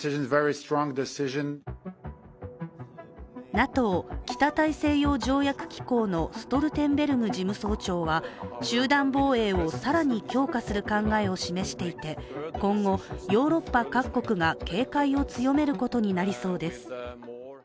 ＮＡＴＯ＝北大西洋条約機構のストルテンベルグ事務総長は集団防衛を更に強化する考えを示していて今後、ヨーロッパ各国が警戒を強めることになりそうです。